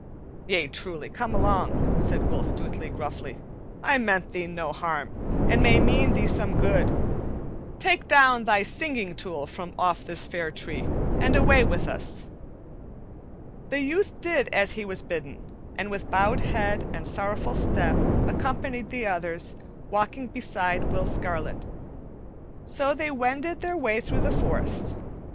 "Yea, truly, come along," said Will Stutely gruffly. "I meant thee no harm, and may mean thee some good. Take down thy singing tool from off this fair tree, and away with us." The youth did as he was bidden and, with bowed head and sorrowful step, accompanied the others, walking beside Will Scarlet. So they wended their way through the forest.